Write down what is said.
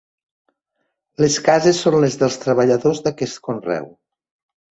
Les cases són les dels treballadors d'aquest conreu.